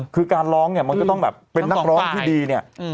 แต่การร้องนี่จะต้องเป็นนักร้องที่ดีเนี่ย